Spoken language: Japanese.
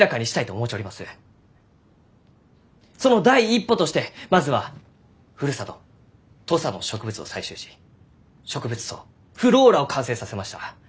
その第一歩としてまずはふるさと土佐の植物を採集し植物相ｆｌｏｒａを完成させました。